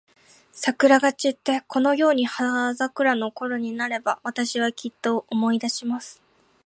桜が散って、このように葉桜のころになれば、私は、きっと思い出します。